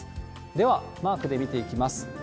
ではマークで見ていきます。